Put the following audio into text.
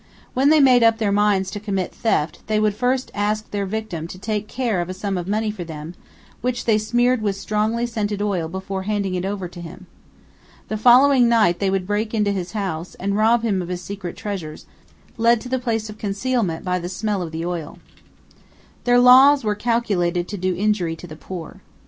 When they made up their minds to commit theft, they would first ask their victim to take care of a sum of money for them, which they smeared with strongly scented oil before handing it over to him. The following night they would break into his house, and rob him of his secret treasures, led to the place of concealment by the smell of the oil. Their laws were calculated to do injury to the poor.